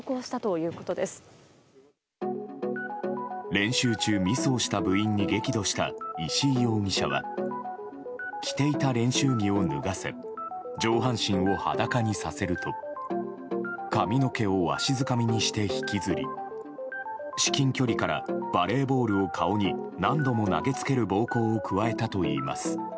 練習中、ミスをした部員に激怒した石井容疑者は着ていた練習着を脱がせ上半身を裸にさせると髪の毛をわしづかみにして引きずり至近距離からバレーボールを顔に何度も投げつける暴行を加えたといいます。